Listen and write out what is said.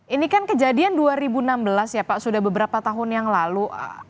ini kan kejadian dua ribu enam belas ya pak sudah beberapa tahun yang lalu